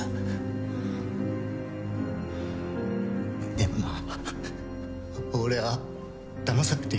でも俺はだまされていたんだ。